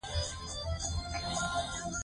نارینه او ښځینه دواړه مسوول دي.